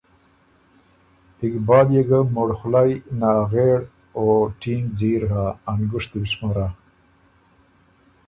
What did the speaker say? اقبال ګۀ مُړخولئ، ناغېړ او ټینګ ځیر هۀ، ا نګُشتی بو شمرا۔